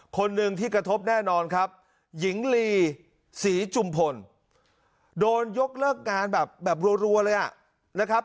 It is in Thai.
คนหนึ่งที่กระทบแน่นอนครับหญิงลีศรีจุมพลโดนยกเลิกงานแบบรัวเลยอ่ะนะครับ